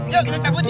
yuk kita cabut yuk